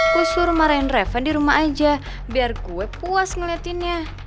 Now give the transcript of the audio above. kusur maren reven di rumah aja biar gue puas ngeliatinnya